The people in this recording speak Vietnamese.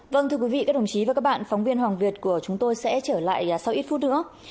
vâng thưa quý vị các đồng chí và các bạn phóng viên hoàng việt của chúng tôi sẽ trở lại sau ít phút nữa